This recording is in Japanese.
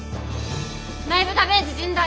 内部ダメージ甚大。